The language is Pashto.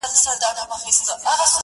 اسمان نیولي سترګي دي برندي -